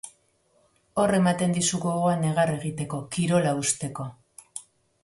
Hor ematen dizu gogoa negar egiteko, kirola uzteko.